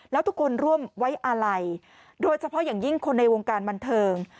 แล้วทุกคนร่วมไว้อาลัยโดยเฉพาะอย่างยิ่งคนในวงการบันเทิง